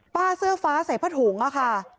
เสื้อฟ้าใส่ผ้าถุงค่ะ